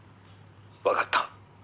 「わかった」